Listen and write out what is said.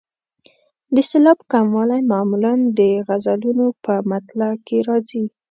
د سېلاب کموالی معمولا د غزلونو په مطلع کې راځي.